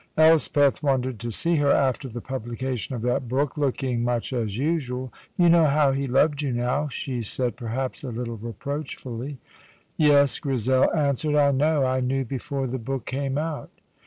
Elspeth wondered to see her, after the publication of that book, looking much as usual. "You know how he loved you now," she said, perhaps a little reproachfully. "Yes," Grizel answered, "I know; I knew before the book came out."